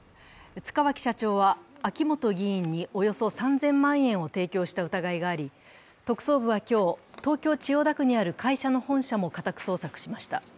塚脇社長は秋本議員におよそ３０００万円を提供した疑いがあり、特捜部は今日、東京・千代田区にある会社の本社も家宅捜索しました。